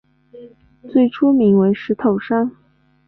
最初名为石头山。